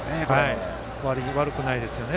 悪くないですよね